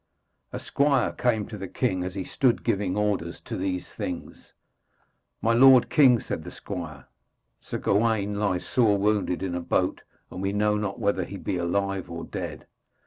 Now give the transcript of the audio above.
A squire came to the king as he stood giving orders as to these things. 'My lord king,' said the squire, 'Sir Gawaine lies sore wounded in a boat, and we know not whether he be alive or dead.'